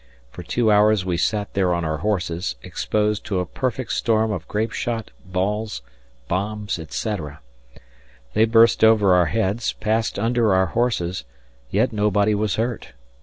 For two hours we sat there on our horses, exposed to a perfect storm of grapeshot, balls, bombs, etc. They burst over our heads, passed under our horses, yet nobody was hurt.